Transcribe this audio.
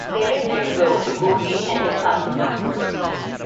They live next door to Goofy and his son, Max.